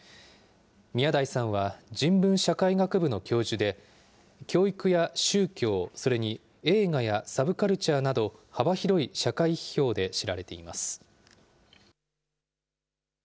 宮台さんは、人文社会学部の教授で、教育や宗教、それに映画やサブカルチャーなど、幅広い社会批評で知られています。